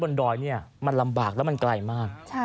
บนดอยมันลำบากและมันไกลมาก